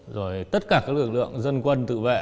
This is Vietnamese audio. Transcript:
rồi tất cả các lực lượng dân quân tự vệ